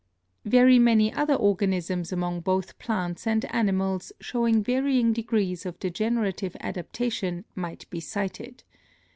Very many other organisms among both plants and ani mals showing varying degrees of degenerative adaptation might be cited.